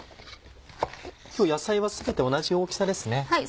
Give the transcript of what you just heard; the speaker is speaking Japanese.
今日野菜は全て同じ大きさですね。